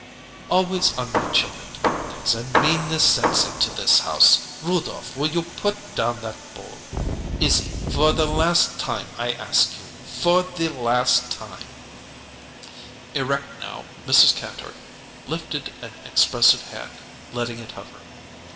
"Always on my children's birthdays a meanness sets into this house! Rudolph, will you put down that bowl! Izzie for the last time I ask you for the last time " Erect now, Mrs. Kantor lifted an expressive hand, letting it hover.